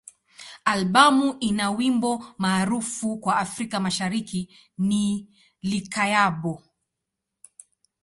Albamu ina wimbo maarufu kwa Afrika Mashariki ni "Likayabo.